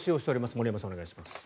森山さん、お願いします。